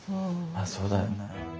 あそうだよね。